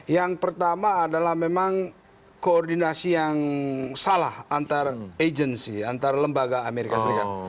yang pertama adalah memang koordinasi yang salah antar agency antar lembaga amerika serikat